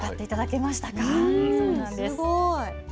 そうなんです。